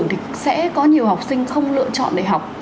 thì sẽ có nhiều học sinh không lựa chọn đại học